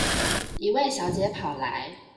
一位小姐跑來